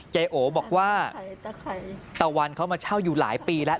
โอบอกว่าตะวันเขามาเช่าอยู่หลายปีแล้ว